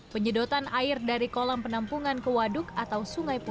penyedotan air dari kolam penampungan ke waduk atau sungai putih